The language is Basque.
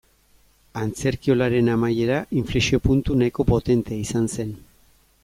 Antzerkiolaren amaiera inflexio-puntu nahiko potentea izan zen.